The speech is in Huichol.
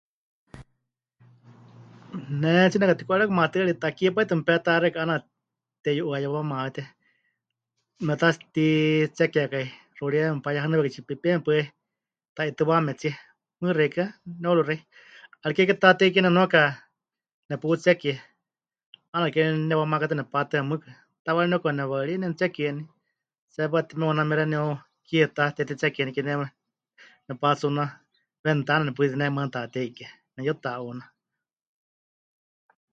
Ne 'aatsí nepɨkatiku'eriwákai maatɨari. Takie pai tɨ mepeta'axékai 'aana teyu'uayemawaaméte, metatsititsekekai, xuuriya mepayehanɨwekai tsipepeme paɨ 'i ta'itɨwaametsie, mɨɨkɨ xeikɨ́a ne nepɨwaruxei. 'Ariké ke Taatei Kie nenuaka neputsekie, 'aana ke ri newamakátɨ nepatɨa mɨɨkɨ. Tawaarí nepɨka'unewaɨrí nemɨtsekieni. Tsepá tɨ meuname xeeníu kiitá tetitsekienike ne nepatsuná ventana neputiyɨnékai maana Taatei Kie, nepɨyuta'uuná.